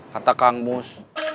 kata kang mus